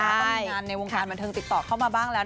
ก็มีงานในวงการบันเทิงติดต่อเข้ามาบ้างแล้ว